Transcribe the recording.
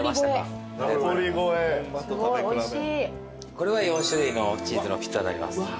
これは４種類のチーズのピッツァになります。